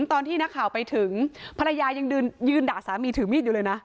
ตอนที่นักข่าวไปถึงภรรยายังยืนด่าสามีถือมีดอยู่เลยนะ